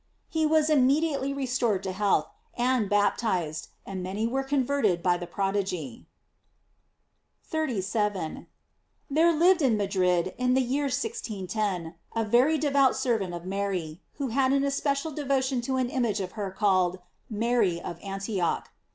He was immediately restored to health, and bap tized, and many were converted by the prodigy.! 37. — There lived in Madrid, in the year ItilO, a very devout servant of Mary, who had an es pecial devotion to an image of her called c'Mary of Antioch."